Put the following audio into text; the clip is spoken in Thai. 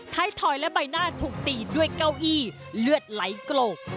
ทอยและใบหน้าถูกตีด้วยเก้าอี้เลือดไหลโกก